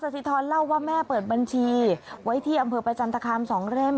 สิทรเล่าว่าแม่เปิดบัญชีไว้ที่อำเภอประจันตคาม๒เล่ม